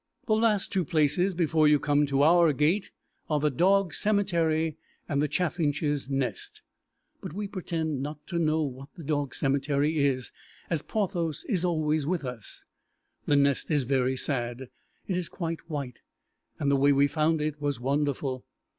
The two last places before you come to our gate are the Dog's Cemetery and the chaffinch's nest, but we pretend not to know what the Dog's Cemetery is, as Porthos is always with us. The nest is very sad. It is quite white, and the way we found it was wonderful.